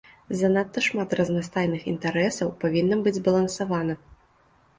Занадта шмат разнастайных інтарэсаў павінна быць збалансавана.